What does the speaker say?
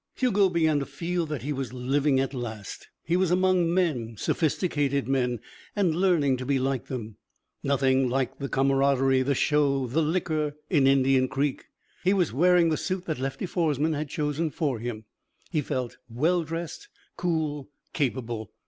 Hugo began to feel that he was living at last. He was among men, sophisticated men, and learning to be like them. Nothing like the camaraderie, the show, the liquor, in Indian Creek. He was wearing the suit that Lefty Foresman had chosen for him. He felt well dressed, cool, capable.